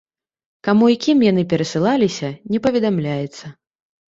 Каму і кім яны перасылаліся, не паведамляецца.